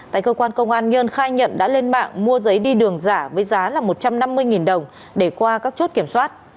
tại cơ quan công an nhơn khai nhận đã lên mạng mua giấy đi đường giả với giá là một trăm năm mươi đồng để qua các chốt kiểm soát